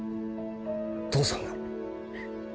父さんが。